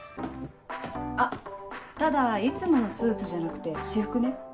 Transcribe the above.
あっただいつものスーツじゃなくて私服ね。